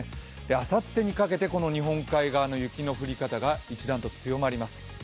あさってにかけて日本海側の雪の降り方が一段と強まります。